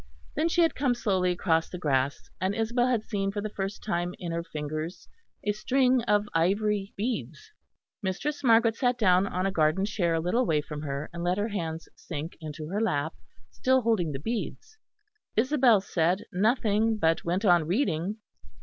Then she had come slowly across the grass, and Isabel had seen for the first time in her fingers a string of ivory beads. Mistress Margaret sat down on a garden chair a little way from her, and let her hands sink into her lap, still holding the beads. Isabel said nothing, but went on reading.